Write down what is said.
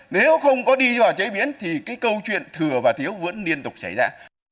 nếu không có đi vào chế biến thì cái câu chuyện thừa và thiếu vẫn liên tục xảy ra